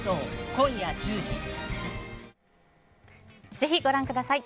ぜひご覧ください。